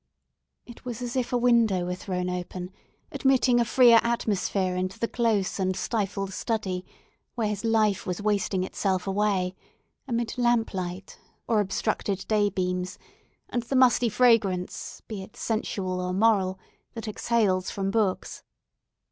It was as if a window were thrown open, admitting a freer atmosphere into the close and stifled study, where his life was wasting itself away, amid lamp light, or obstructed day beams, and the musty fragrance, be it sensual or moral, that exhales from books.